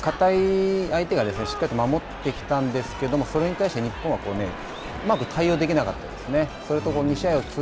相手がしっかりと守ってきたんですけどもそれに対して日本はうまく対応できなかったですね。